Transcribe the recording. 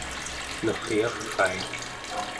neryarai